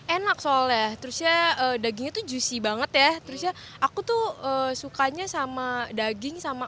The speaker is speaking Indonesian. enak soalnya terusnya daging itu juicy banget ya terus ya aku tuh sukanya sama daging sama